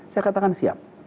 saya katakan siap